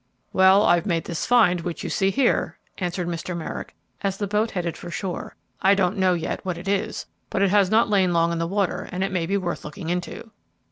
"Well, I've made this find which you see here," answered Mr. Merrick, as the boat headed for shore. "I don't know yet what it is, but it has not lain long in the water, and it may be worth looking into."